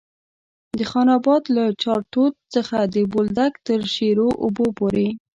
د خان اباد له چارتوت څخه د بولدک تر شیرو اوبو پورې.